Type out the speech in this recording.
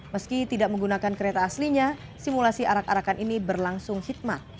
meski tidak menggunakan kereta aslinya simulasi arak arakan ini berlangsung hikmat